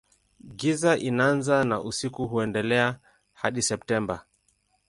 Giza inaanza na usiku huendelea hadi Septemba.